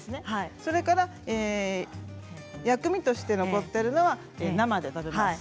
それから薬味として残っているのは生で食べます。